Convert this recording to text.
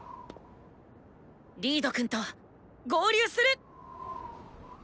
リードくんと合流する！